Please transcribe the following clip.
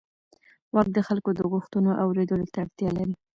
واک د خلکو د غوښتنو اورېدلو ته اړتیا لري.